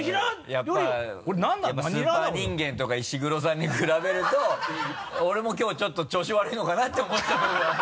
やっぱスーパー人間とか石黒さんに比べると俺も「きょう調子悪いのかな」って思っちゃうところが。